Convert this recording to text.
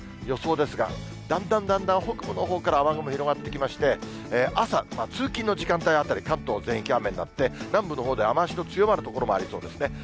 予想ですが、だんだんだんだん北部のほうから雨雲広がってきまして、朝、通勤の時間帯あたり、関東全域雨になって、南部のほうでは、雨足の強まる所もありそうですね。